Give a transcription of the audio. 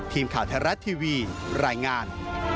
ทีมข่าวไทยรัฐทีวีรายงาน